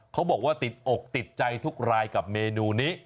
เขาบอกว่าติดอกติดใจทุกรายกับเมนูนี้